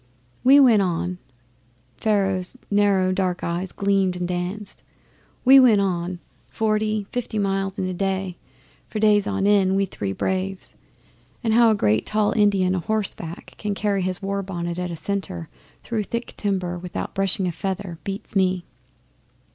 'We went on.' Pharaoh's narrow dark eyes gleamed and danced. 'We went on forty, fifty miles a day, for days on end we three braves. And how a great tall Indian a horse back can carry his war bonnet at a canter through thick timber without brushing a feather beats me!